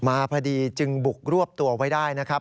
มาพอดีจึงบุกรวบตัวไว้ได้นะครับ